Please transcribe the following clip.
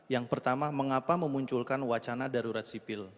yang pertama mengapa memunculkan wacana darurat sipil